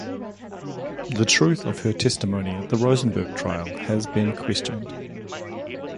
The truth of her testimony at the Rosenberg trial has been questioned.